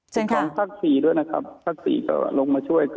ส่วนของทักษีด้วยนะครับทักษีก็ลงมาช่วย